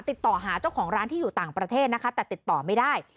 ติดต่อหาเจ้าของร้านที่อยู่ต่างประเทศนะคะแต่ติดต่อไม่ได้